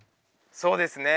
そうですね。